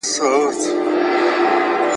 دلته نېستي ده وفا په یار کي,